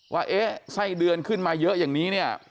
ว่าไส้เดือนขึ้นมาเยอะอย่างนี้